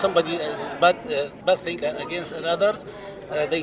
dan banyak hal yang terjadi sampai sekarang